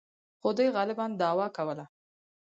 خو دوی غالباً دعوا کوله.